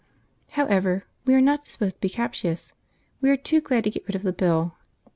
However, we are not disposed to be captious; we are too glad to get rid of the bill.